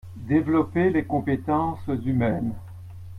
Développer les compétences humaines.